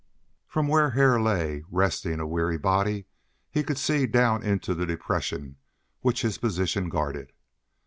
From where Hare lay, resting a weary body, he could see down into the depression which his position guarded.